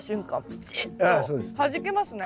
プチッとはじけますね。